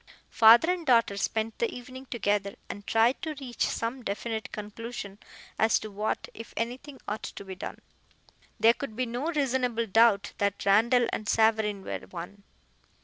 Father and daughter spent the evening together, and tried to reach some definite conclusion as to what, if anything, ought to be done. There could be no reasonable doubt that Randall and Savareen were one.